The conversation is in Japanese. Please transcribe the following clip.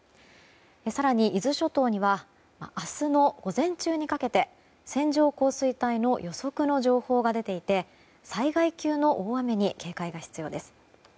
更に、伊豆諸島には明日の午前中にかけて線状降水帯の予測の情報が出ていて災害級の大雨に警戒が必要です。